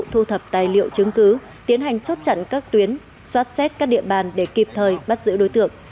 thu thập tài liệu chứng cứ tiến hành chốt chặn các tuyến xoát xét các địa bàn để kịp thời bắt giữ đối tượng